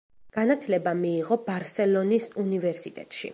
განათლება მიიღო ბარსელონის უნივერსიტეტში.